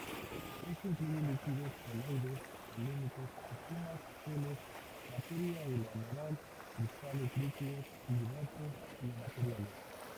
Esto incluye líquidos, coloides, polímeros, espumas, geles, materia granular, cristales líquidos y diversos biomateriales.